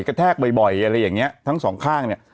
แทกบ่อยอะไรอย่างเงี้ยทั้งสองข้างเนี่ย